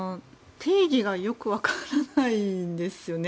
定義がよくわからないんですよね。